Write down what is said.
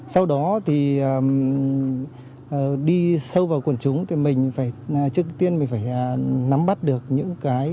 sau đó thì đi sâu vào quần chúng thì mình phải trước tiên mình phải nắm bắt được những cái